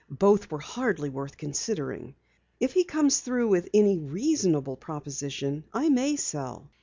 Both were hardly worth considering. If he comes through with any reasonable proposition I may sell.